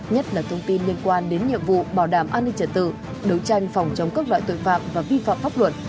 nhất là thông tin liên quan đến nhiệm vụ bảo đảm an ninh trật tự đấu tranh phòng chống các loại tội phạm và vi phạm pháp luật